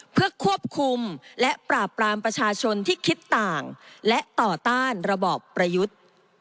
เพื่อควบคุมและปราบปรามประชาชนที่คิดต่างและต่อต้านระบอบประยุทธ์